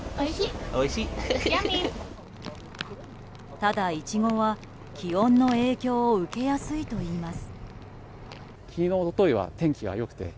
ただ、イチゴは気温の影響を受けやすいといいます。